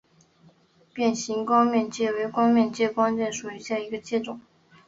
变形光面介为光面介科光面介属下的一个种。